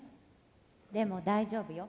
でも大丈夫よ。